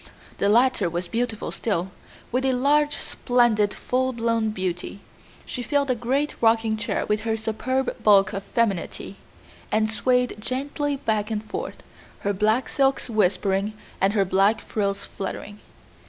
The latter was beautiful still, with a large, splendid, full blown beauty, she filled a great rocking chair with her superb bulk of femininity, and swayed gently back and forth, her black silks whispering and her black frills fluttering.